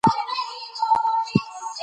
ـ پردى خر په شا زور ور وي.